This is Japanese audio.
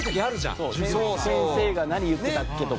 先生が何言ってたっけ？とか。